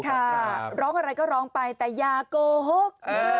ค่ะร้องอะไรก็ร้องไปแต่อย่าโกหก